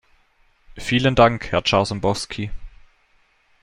Vielen Dank, Herr Jarzembowski!